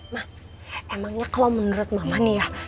mak emangnya kalau menurut mama nih ya